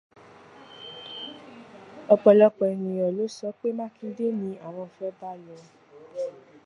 Ọpọ̀lọpọ̀ ènìyàn ló sọ pé Mákindé ni àwọn fẹ́ bá lọ